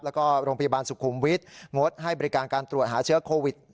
แล้วก็โรงพยาบาลสุขุมวิทย์งดให้บริการการตรวจหาเชื้อโควิด